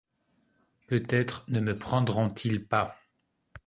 Peut-être ne me pendront-ils pas.